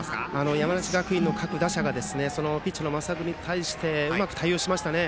山梨学院の各打者がピッチャーの升田君に対してうまく対応しましたね。